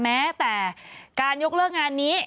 แม้แต่การยกเลิกงานนี้